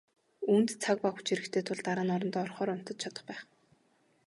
Үүнд цаг ба хүч хэрэгтэй тул дараа нь орондоо орохоор унтаж чадах байх.